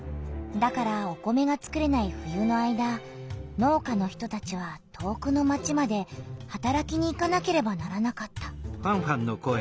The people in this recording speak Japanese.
だからお米がつくれない冬の間農家の人たちは遠くの町まではたらきに行かなければならなかった。